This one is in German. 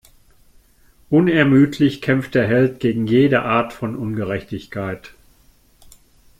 Unermüdlich kämpft der Held gegen jede Art von Ungerechtigkeit.